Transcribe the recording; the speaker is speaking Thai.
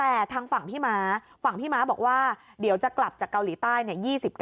แต่ทางฝั่งพี่ม้าฝั่งพี่ม้าบอกว่าเดี๋ยวจะกลับจากเกาหลีใต้๒๙